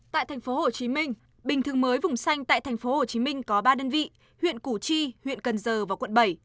tại thành phố hồ chí minh bình thương mới vùng xanh tại thành phố hồ chí minh có ba đơn vị huyện củ chi huyện cần giờ và quận bảy